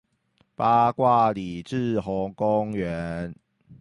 八卦里滯洪公園